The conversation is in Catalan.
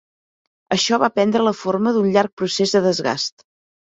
Això va prendre la forma d'un llarg procés de desgast.